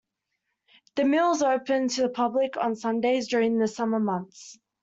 The mill is opened to the public on Sundays during the summer months.